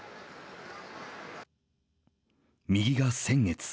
右が先月。